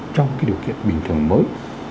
trong cái điều kiện bình thường mới